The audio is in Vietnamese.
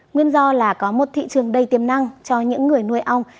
nguyên do là có một thị trường đầy tiềm năng cho những người nuôi ong